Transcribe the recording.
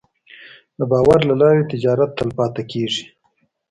د باور له لارې تجارت تلپاتې کېږي.